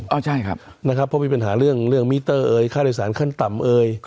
เพราะมีปัญหาเรื่องเรื่องมิเตอร์เอยค่าโดยสารขั้นต่ำเอย